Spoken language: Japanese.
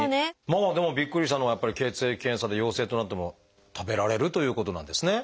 まあでもびっくりしたのはやっぱり血液検査で陽性となっても食べられるということなんですね。